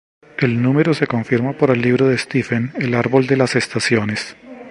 El número se confirma por el libro de Stephen El Árbol de las estaciones.